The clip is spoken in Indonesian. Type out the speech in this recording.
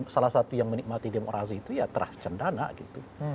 salah satu yang menikmati demokrasi itu ya terah cendana gitu